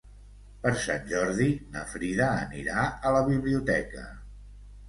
Per Sant Jordi na Frida anirà a la biblioteca.